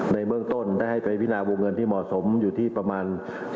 ในเบื้องต้นได้ให้ไปพินาวงเงินที่เหมาะสมอยู่ที่ประมาณ